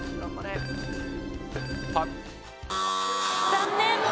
残念。